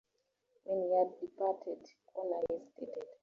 When he had departed Connor hesitated.